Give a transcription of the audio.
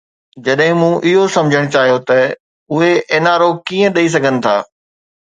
جڏهن مون اهو سمجهڻ چاهيو ته اهي اين آر او ڪيئن ڏئي سگهن ٿا.